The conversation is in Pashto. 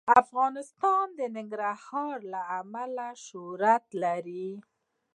افغانستان د ننګرهار له امله شهرت لري.